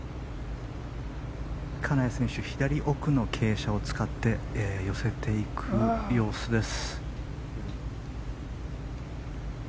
金谷選手左奥の傾斜を使って寄せていく様子です。